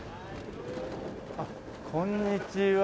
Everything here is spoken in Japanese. あっこんにちは。